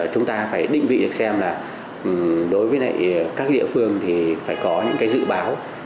chúng ta phải định vị được xem là đối với các địa phương thì phải có những cái dự báo